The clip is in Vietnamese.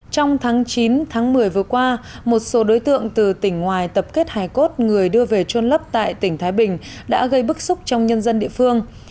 trong tháng chín tháng một mươi vừa qua một số đối tượng từ tỉnh ngoài tập kết hài cốt người đưa về trôn lấp tại tỉnh thái bình đã gây bức xúc trong nhân dân địa phương